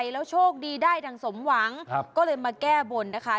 แล้วโชคดีได้ดังสมหวังก็เลยมาแก้บนนะคะ